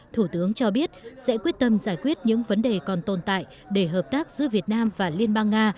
thủ tướng cho biết sẽ quyết tâm giải quyết những vấn đề còn tồn tại để hợp tác giữa việt nam và liên bang nga